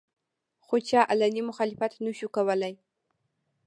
خو چا علني مخالفت نشو کولې